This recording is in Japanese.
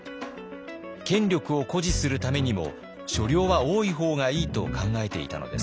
権力を誇示するためにも所領は多いほうがいいと考えていたのです。